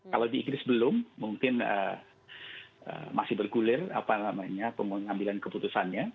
kalau di inggris belum mungkin masih bergulir pengambilan keputusannya